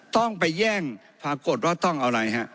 ต้องไปแย่งปรากฏว่าต้องเอาอะไรฮะ